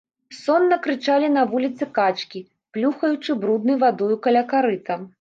Сонна крычалі на вуліцы качкі, плюхаючы бруднай вадою каля карыта.